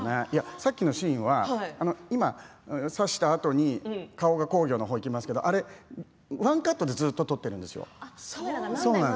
さっきのシーンは、刺したあとに顔が公暁の方にきますけれどもワンカットでずっと撮っているんですよ。